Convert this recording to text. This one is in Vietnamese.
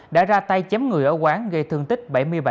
đã ra tay chém người ở quán gây thương tích bảy mươi bảy